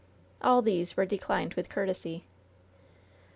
All these were declined with courtesy.